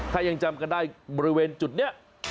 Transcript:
ถ้ายังจำกันได้บริเวณจุดนี้